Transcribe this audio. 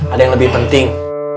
ada yang lebih penting